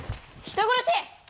人殺し！